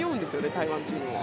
台湾チームも。